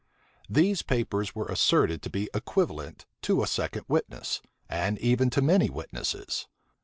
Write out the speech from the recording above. These papers were asserted to be equivalent to a second witness, and even to many witnesses.